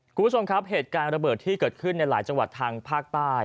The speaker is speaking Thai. คุณผู้ชมครับเหตุการณ์ระเบิดที่เกิดขึ้นในหลายจังหวัดทางภาคใต้